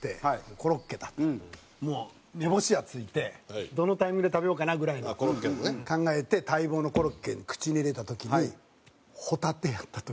コロッケだともう目星はついてどのタイミングで食べようかなぐらいの考えて待望のコロッケ口に入れた時にホタテやった時。